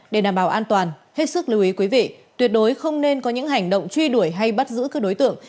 để đảm bảo an toàn hết sức lưu ý quý vị tuyệt đối không nên có những hành động truy đuổi hay bắt giữ các đối tượng